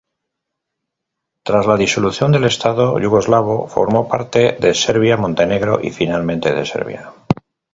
Tras la disolución del estado yugoslavo, formó parte de Serbia-Montenegro y finalmente de Serbia.